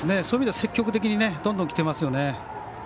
そういう意味では積極的にどんどんきてますよね。